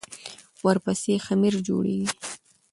ورپسې خمیر جوړېږي.